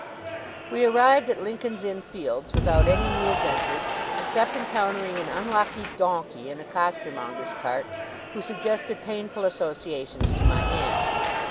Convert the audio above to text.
We arrived at Lincoln's Inn Fields without any new adventures, except encountering an unlucky donkey in a costermonger's cart, who suggested painful associations to my aunt.